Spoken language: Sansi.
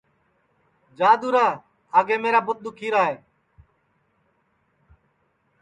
جا دؔورا آگے میرا بُوت دُؔکھیرا